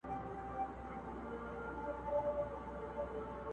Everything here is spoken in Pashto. په جرگه كي سوه خندا د موږكانو،